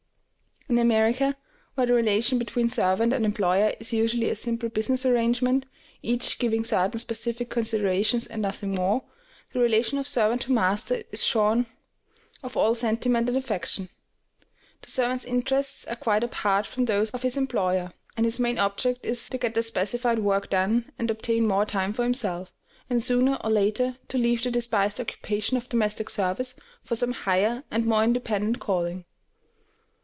In America, where the relation between servant and employer is usually a simple business arrangement, each giving certain specified considerations and nothing more, the relation of servant to master is shorn of all sentiment and affection; the servant's interests are quite apart from those of his employer, and his main object is to get the specified work done and obtain more time for himself, and sooner or later to leave the despised occupation of domestic service for some higher and more independent calling.